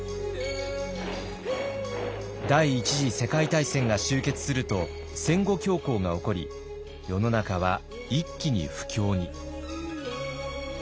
第一次世界大戦が終結すると戦後恐慌が起こり世の中は一気に不況に。